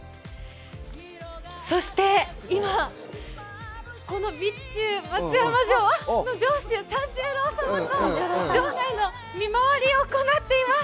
そして今、この備中松山城の城主、さんじゅーろー様が城内の見回りを行っています。